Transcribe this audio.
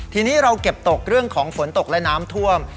ทีนี้เราเก็บตกเรื่องของฝนตกและน้ำท่วม